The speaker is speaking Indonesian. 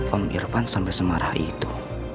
om irfan sampai semarah itu